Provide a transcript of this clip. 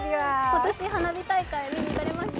今年、花火大会、見に行かれました？